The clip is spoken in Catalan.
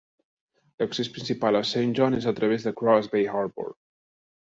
L"accés principal a Saint John és a través de Cruz Bay Harbor.